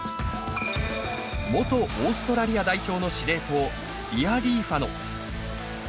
元オーストラリア代表の司令塔リアリーファノ。